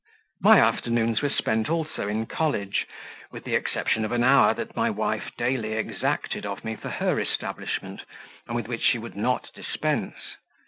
My afternoons were spent also in college, with the exception of an hour that my wife daily exacted of me for her establishment, and with which she would not dispense.